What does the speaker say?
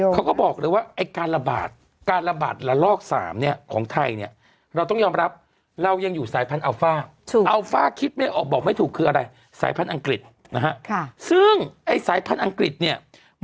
เขาก็บอกเลยว่าการระบาดหละลอก๓เนี่ยของไทยเนี่ย